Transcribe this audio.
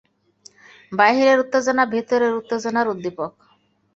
বাহিরের উত্তেজনা ভিতরের উত্তেজনার উদ্দীপক।